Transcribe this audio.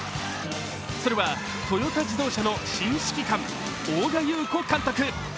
それはトヨタ自動車の新指揮官、大神雄子監督。